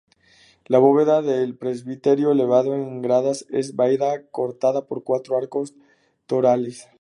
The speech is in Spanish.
La bóveda del presbiterio, elevado en gradas, es vaída cortada por cuatro arcos torales.